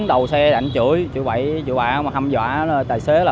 đứng đầu xe đánh chửi chửi bẫy chửi bạc hâm dọa tài xế là